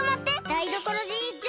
ダイドコロジーＺ！